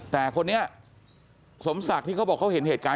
แต่คนนี้สมศักดิ์ที่เขาบอกเขาเห็นเหตุการณ์